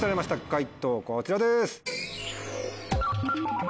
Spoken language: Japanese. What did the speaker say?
解答こちらです。